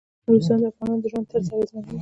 نورستان د افغانانو د ژوند طرز اغېزمنوي.